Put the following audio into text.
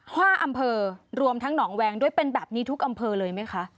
ห้าอำเภอรวมทั้งหนองแวงด้วยเป็นแบบนี้ทุกอำเภอเลยไหมคะ